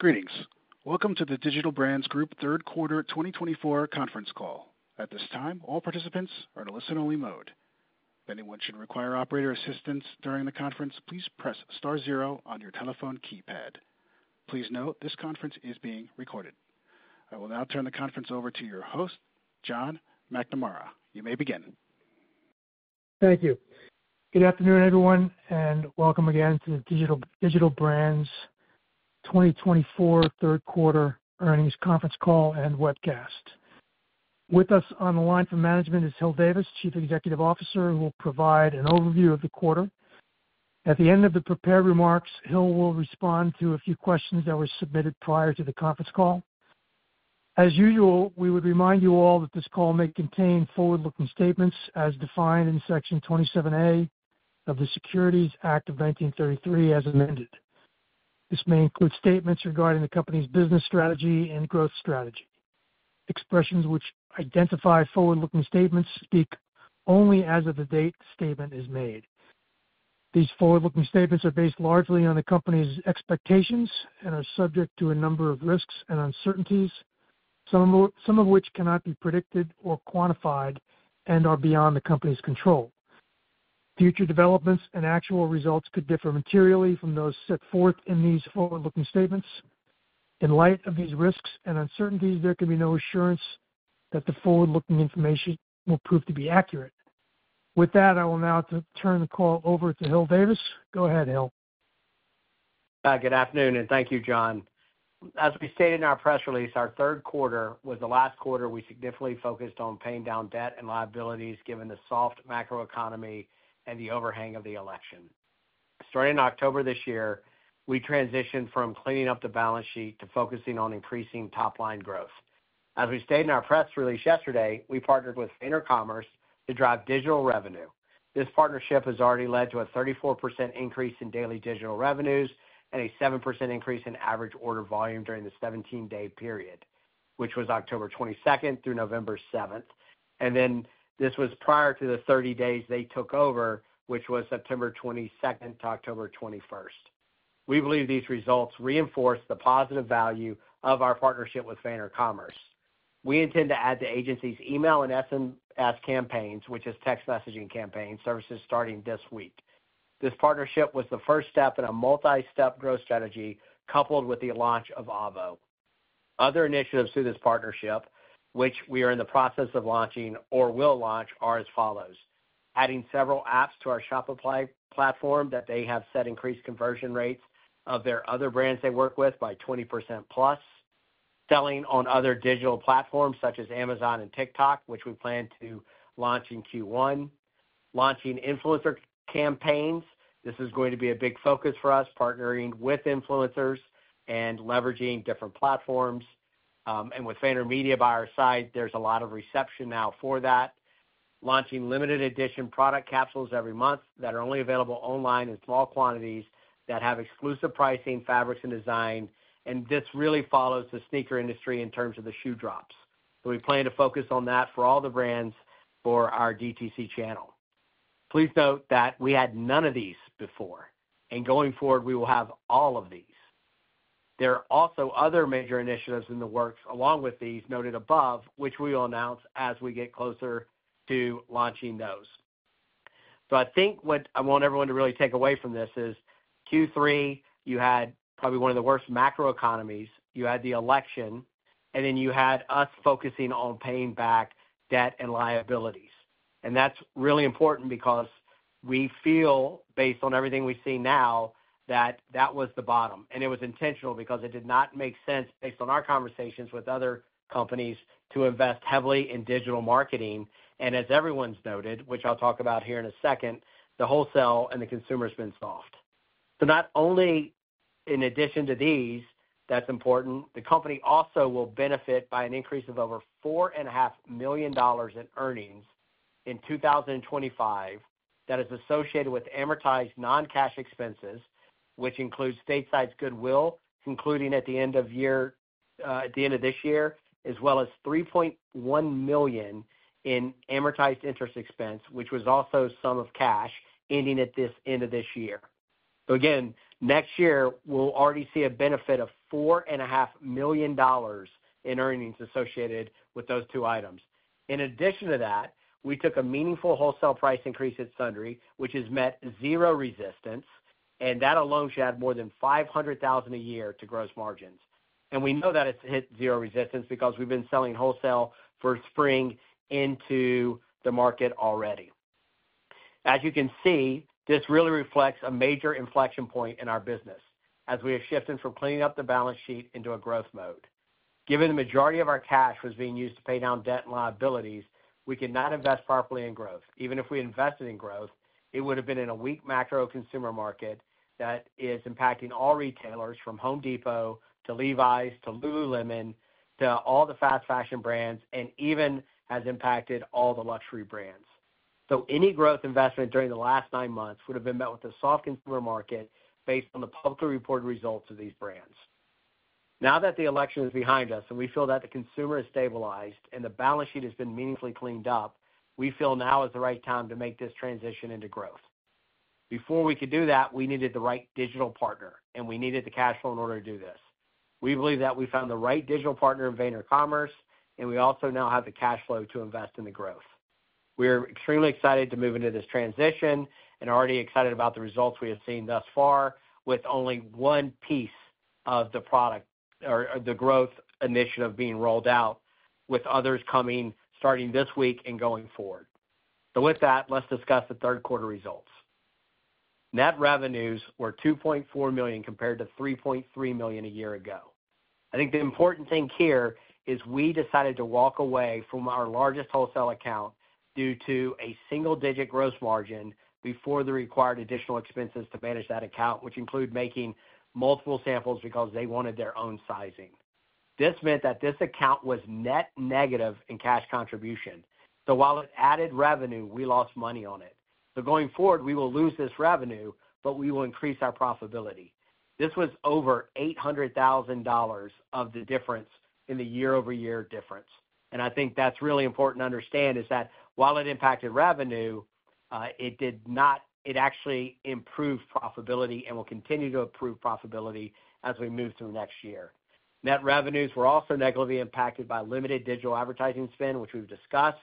Greetings. Welcome to the Digital Brands Group Q3 2024 Conference Call. At this time, all participants are in a listen-only mode. If anyone should require operator assistance during the conference, please press star zero on your telephone keypad. Please note this conference is being recorded. I will now turn the conference over to your host, John McNamara. You may begin. Thank you. Good afternoon, everyone, and welcome again to the Digital Brands 2024 Q3 Earnings Conference Call and Webcast. With us on the line from management is Hil Davis, Chief Executive Officer, who will provide an overview of the quarter. At the end of the prepared remarks, Hil will respond to a few questions that were submitted prior to the conference call. As usual, we would remind you all that this call may contain forward-looking statements as defined in Section 27A of the Securities Act of 1933, as amended. This may include statements regarding the company's business strategy and growth strategy. Expressions which identify forward-looking statements speak only as of the date the statement is made. These forward-looking statements are based largely on the company's expectations and are subject to a number of risks and uncertainties, some of which cannot be predicted or quantified and are beyond the company's control. Future developments and actual results could differ materially from those set forth in these forward-looking statements. In light of these risks and uncertainties, there can be no assurance that the forward-looking information will prove to be accurate. With that, I will now turn the call over to Hil Davis. Go ahead, Hil. Good afternoon, and thank you, John. As we stated in our press release, our third quarter was the last quarter we significantly focused on paying down debt and liabilities given the soft macroeconomy and the overhang of the election. Starting in October this year, we transitioned from cleaning up the balance sheet to focusing on increasing top-line growth. As we stated in our press release yesterday, we partnered with VaynerCommerce to drive digital revenue. This partnership has already led to a 34% increase in daily digital revenues and a 7% increase in average order volume during the 17-day period, which was October 22nd through November 7th. And then this was prior to the 30 days they took over, which was September 22nd to October 21st. We believe these results reinforce the positive value of our partnership with VaynerCommerce. We intend to add the agency's email and SMS campaigns, which is text messaging campaign, services starting this week. This partnership was the first step in a multi-step growth strategy coupled with the launch of Ayou. Other initiatives through this partnership, which we are in the process of launching or will launch, are as follows: adding several apps to our Shopify platform that they have set increased conversion rates of their other brands they work with by 20% plus, selling on other digital platforms such as Amazon and TikTok, which we plan to launch in Q1, launching influencer campaigns. This is going to be a big focus for us, partnering with influencers and leveraging different platforms, and with VaynerMedia by our side, there's a lot of reception now for that. Launching limited edition product capsules every month that are only available online in small quantities that have exclusive pricing, fabrics, and design. And this really follows the sneaker industry in terms of the shoe drops. So we plan to focus on that for all the brands for our DTC channel. Please note that we had none of these before, and going forward, we will have all of these. There are also other major initiatives in the works along with these noted above, which we will announce as we get closer to launching those. So I think what I want everyone to really take away from this is Q3, you had probably one of the worst macroeconomy. You had the election, and then you had us focusing on paying back debt and liabilities. And that's really important because we feel, based on everything we see now, that that was the bottom. It was intentional because it did not make sense, based on our conversations with other companies, to invest heavily in digital marketing. As everyone's noted, which I'll talk about here in a second, the wholesale and the consumer has been soft. Not only in addition to these, that's important, the company also will benefit by an increase of over $4.5 million in earnings in 2025 that is associated with amortized non-cash expenses, which includes Stateside goodwill, concluding at the end of the year at the end of this year, as well as $3.1 million in amortized interest expense, which was also non-cash ending at the end of this year. Again, next year, we'll already see a benefit of $4.5 million in earnings associated with those two items. In addition to that, we took a meaningful wholesale price increase at Sundry, which has met zero resistance. And that alone should add more than $500,000 a year to gross margins. And we know that it's hit zero resistance because we've been selling wholesale for spring into the market already. As you can see, this really reflects a major inflection point in our business as we have shifted from cleaning up the balance sheet into a growth mode. Given the majority of our cash was being used to pay down debt and liabilities, we cannot invest properly in growth. Even if we invested in growth, it would have been in a weak macro consumer market that is impacting all retailers from Home Depot to Levi's to Lululemon to all the fast fashion brands and even has impacted all the luxury brands. So any growth investment during the last nine months would have been met with a soft consumer market based on the publicly reported results of these brands. Now that the election is behind us and we feel that the consumer has stabilized and the balance sheet has been meaningfully cleaned up, we feel now is the right time to make this transition into growth. Before we could do that, we needed the right digital partner, and we needed the cash flow in order to do this. We believe that we found the right digital partner in VaynerCommerce, and we also now have the cash flow to invest in the growth. We are extremely excited to move into this transition and are already excited about the results we have seen thus far with only one piece of the product or the growth initiative being rolled out with others coming starting this week and going forward. So with that, let's discuss the third quarter results. Net revenues were $2.4 million compared to $3.3 million a year ago. I think the important thing here is we decided to walk away from our largest wholesale account due to a single-digit gross margin before the required additional expenses to manage that account, which include making multiple samples because they wanted their own sizing. This meant that this account was net negative in cash contribution, so while it added revenue, we lost money on it, so going forward, we will lose this revenue, but we will increase our profitability. This was over $800,000 of the difference in the year-over-year difference, and I think that's really important to understand is that while it impacted revenue, it did not. It actually improved profitability and will continue to improve profitability as we move through next year. Net revenues were also negatively impacted by limited digital advertising spend, which we've discussed,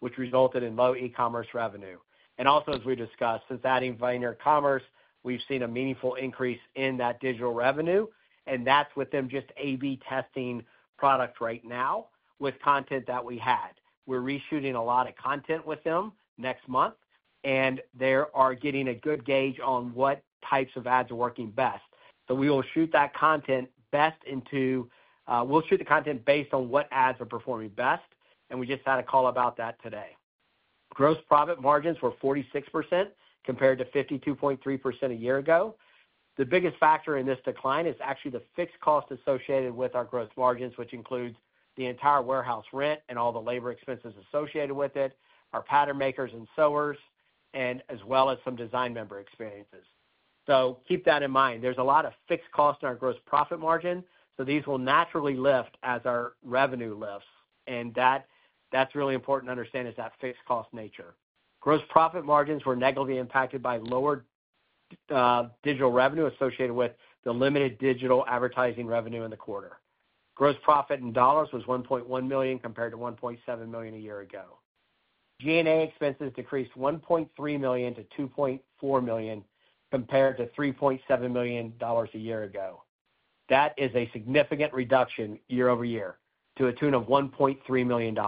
which resulted in low e-commerce revenue. Also, as we discussed, since adding VaynerCommerce, we've seen a meaningful increase in that digital revenue. That's with them just A/B testing product right now with content that we had. We're reshooting a lot of content with them next month, and they are getting a good gauge on what types of ads are working best. We'll shoot the content based on what ads are performing best. We just had a call about that today. Gross profit margins were 46% compared to 52.3% a year ago. The biggest factor in this decline is actually the fixed cost associated with our gross margins, which includes the entire warehouse rent and all the labor expenses associated with it, our pattern makers and sewers, and as well as some design and merchandising expenses. Keep that in mind. There's a lot of fixed cost in our gross profit margin. So these will naturally lift as our revenue lifts. And that's really important to understand is that fixed cost nature. Gross profit margins were negatively impacted by lower digital revenue associated with the limited digital advertising revenue in the quarter. Gross profit in dollars was $1.1 million compared to $1.7 million a year ago. G&A expenses decreased $1.3 million to $2.4 million compared to $3.7 million a year ago. That is a significant reduction year over year to a tune of $1.3 million.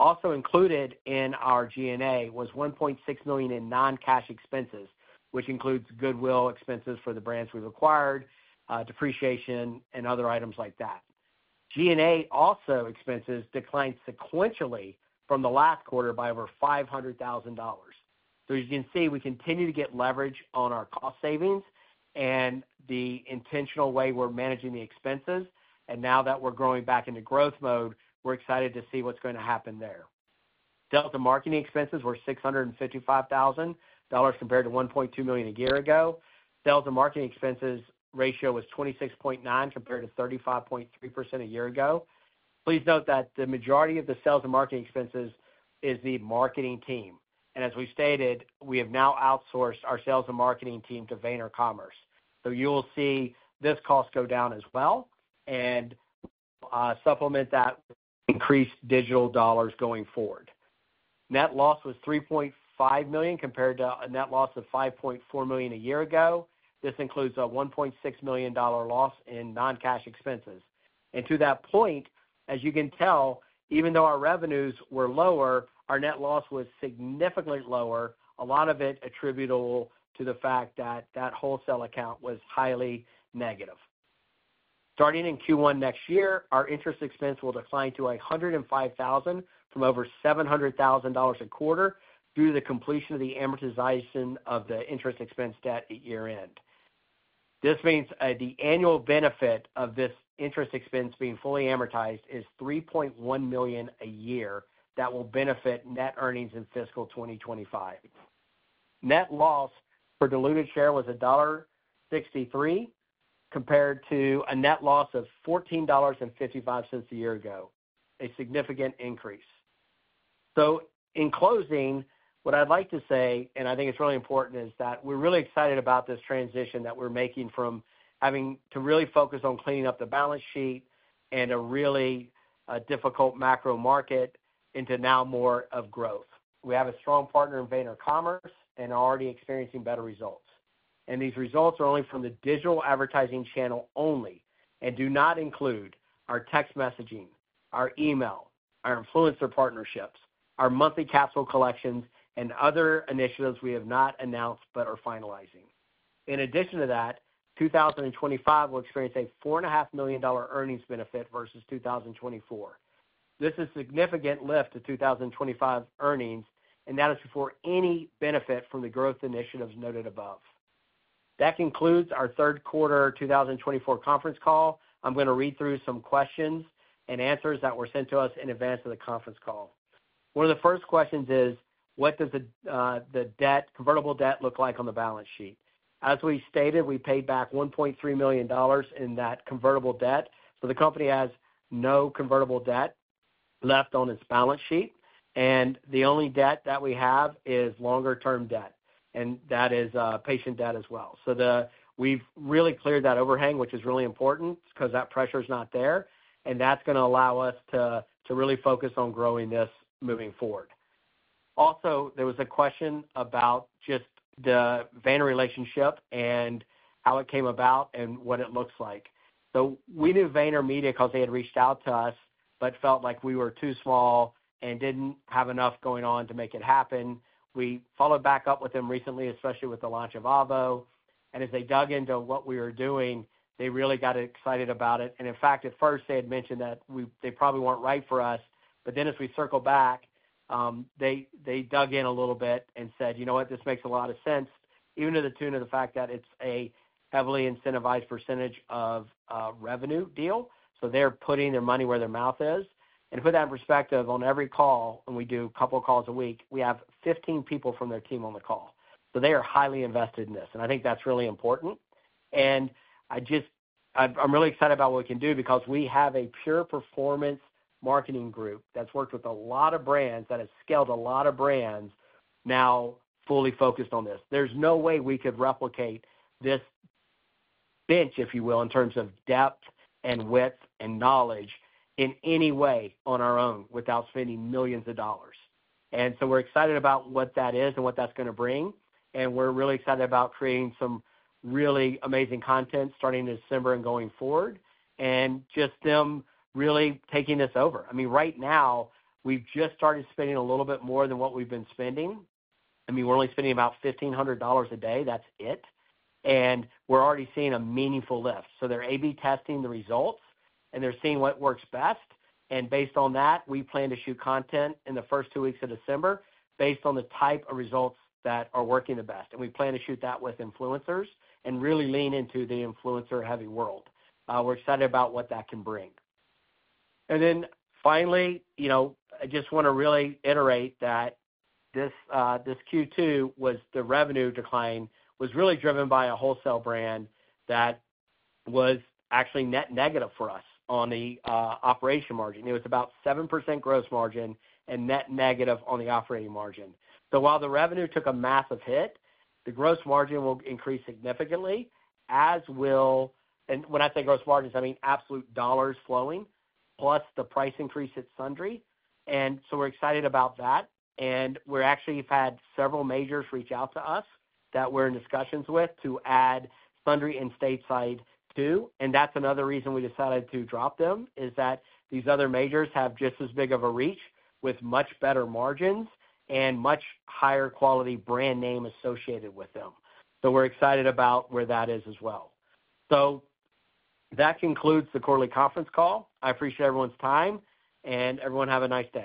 Also included in our G&A was $1.6 million in non-cash expenses, which includes goodwill expenses for the brands we've acquired, depreciation, and other items like that. G&A expenses also declined sequentially from the last quarter by over $500,000. As you can see, we continue to get leverage on our cost savings and the intentional way we're managing the expenses. Now that we're growing back into growth mode, we're excited to see what's going to happen there. Sales and marketing expenses were $655,000 compared to $1.2 million a year ago. Sales and marketing expenses ratio was 26.9% compared to 35.3% a year ago. Please note that the majority of the sales and marketing expenses is the marketing team. As we stated, we have now outsourced our sales and marketing team to VaynerCommerce. You will see this cost go down as well and supplement that with increased digital dollars going forward. Net loss was $3.5 million compared to a net loss of $5.4 million a year ago. This includes a $1.6 million loss in non-cash expenses. To that point, as you can tell, even though our revenues were lower, our net loss was significantly lower, a lot of it attributable to the fact that that wholesale account was highly negative. Starting in Q1 next year, our interest expense will decline to $105,000 from over $700,000 a quarter due to the completion of the amortization of the interest expense debt at year-end. This means the annual benefit of this interest expense being fully amortized is $3.1 million a year that will benefit net earnings in fiscal 2025. Net loss per diluted share was $1.63 compared to a net loss of $14.55 a year ago, a significant increase. So in closing, what I'd like to say, and I think it's really important, is that we're really excited about this transition that we're making from having to really focus on cleaning up the balance sheet and a really difficult macro market into now more of growth. We have a strong partner in VaynerCommerce and are already experiencing better results. And these results are only from the digital advertising channel only and do not include our text messaging, our email, our influencer partnerships, our monthly capsule collections, and other initiatives we have not announced but are finalizing. In addition to that, 2025 will experience a $4.5 million earnings benefit versus 2024. This is a significant lift to 2025 earnings, and that is before any benefit from the growth initiatives noted above. That concludes our third quarter 2024 conference call. I'm going to read through some questions and answers that were sent to us in advance of the conference call. One of the first questions is, what does the debt, convertible debt, look like on the balance sheet? As we stated, we paid back $1.3 million in that convertible debt, so the company has no convertible debt left on its balance sheet, and the only debt that we have is longer-term debt, and that is patient debt as well, so we've really cleared that overhang, which is really important because that pressure is not there, and that's going to allow us to really focus on growing this moving forward. Also, there was a question about just the Vayner relationship and how it came about and what it looks like. We knew VaynerMedia because they had reached out to us but felt like we were too small and didn't have enough going on to make it happen. We followed back up with them recently, especially with the launch of AVO. And as they dug into what we were doing, they really got excited about it. And in fact, at first, they had mentioned that they probably weren't right for us. But then as we circled back, they dug in a little bit and said, "You know what? This makes a lot of sense," even to the tune of the fact that it's a heavily incentivized percentage of revenue deal. So they're putting their money where their mouth is. And with that perspective, on every call, and we do a couple of calls a week, we have 15 people from their team on the call. So they are highly invested in this. And I think that's really important. And I'm really excited about what we can do because we have a pure performance marketing group that's worked with a lot of brands that has scaled a lot of brands now fully focused on this. There's no way we could replicate this bench, if you will, in terms of depth and width and knowledge in any way on our own without spending millions of dollars. And so we're excited about what that is and what that's going to bring. And we're really excited about creating some really amazing content starting in December and going forward and just them really taking this over. I mean, right now, we've just started spending a little bit more than what we've been spending. I mean, we're only spending about $1,500 a day. That's it. And we're already seeing a meaningful lift. So they're A/B testing the results, and they're seeing what works best. And based on that, we plan to shoot content in the first two weeks of December based on the type of results that are working the best. And we plan to shoot that with influencers and really lean into the influencer-heavy world. We're excited about what that can bring. And then finally, I just want to really reiterate that this Q2 the revenue decline was really driven by a wholesale brand that was actually net negative for us on the operating margin. It was about 7% gross margin and net negative on the operating margin. So while the revenue took a massive hit, the gross margin will increase significantly, as will, and when I say gross margins, I mean absolute dollars flowing plus the price increase at Sundry. And so we're excited about that. And we actually have had several majors reach out to us that we're in discussions with to add Sundry and Stateside too. And that's another reason we decided to drop them is that these other majors have just as big of a reach with much better margins and much higher quality brand name associated with them. So we're excited about where that is as well. So that concludes the quarterly conference call. I appreciate everyone's time, and everyone have a nice day.